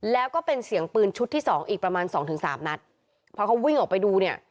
แล้วก็เป็นเสียงปืนชุดที่สองอีกประมาณสองถึงสามนัดพอเขาวิ่งออกไปดูเนี่ย